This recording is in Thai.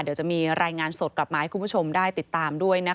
เดี๋ยวจะมีรายงานสดกลับมาให้คุณผู้ชมได้ติดตามด้วยนะคะ